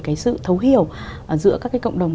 cái sự thấu hiểu giữa các cái cộng đồng